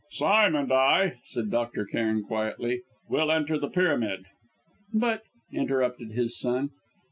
"Sime and I," said Dr. Cairn quietly, "will enter the pyramid." "But " interrupted his son.